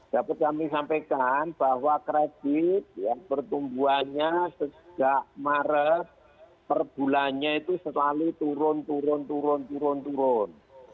dapat kami sampaikan bahwa kredit yang pertumbuhannya sejak maret perbulannya itu selalu turun turun turun turun turun